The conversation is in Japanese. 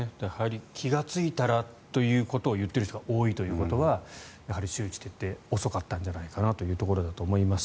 気がついたらということを言っている人が多いということは周知徹底遅かったんじゃないかというところだと思います。